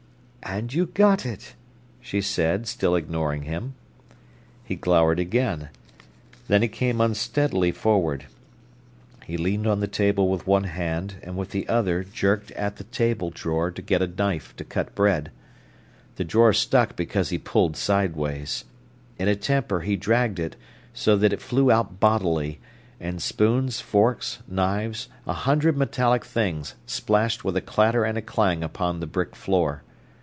"And you got it," she said, still ignoring him. He glowered again. Then he came unsteadily forward. He leaned on the table with one hand, and with the other jerked at the table drawer to get a knife to cut bread. The drawer stuck because he pulled sideways. In a temper he dragged it, so that it flew out bodily, and spoons, forks, knives, a hundred metallic things, splashed with a clatter and a clang upon the brick floor.